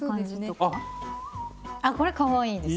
あこれかわいいです。